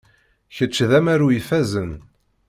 Kečč d amaru ifazen.